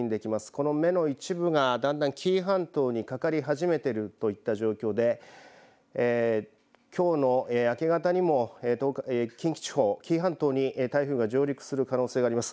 この目の一部がだんだん紀伊半島にかかり始めているといった状況できょうの明け方にも近畿地方、紀伊半島に台風が上陸する可能性があります。